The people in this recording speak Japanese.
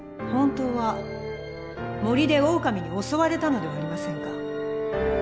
本当は森でオオカミに襲われたのではありませんか？